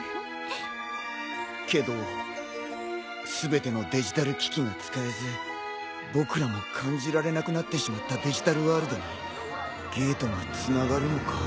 けど全てのデジタル機器が使えず僕らも感じられなくなってしまったデジタルワールドにゲートがつながるのか。